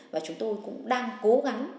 và chúng tôi cũng đang cố gắng